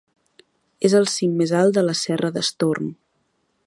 És el cim més alt de la Serra d'Estorm.